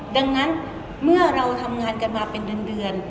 ดังนั้นเมื่อเราทำงานกันมาเป็นเดือน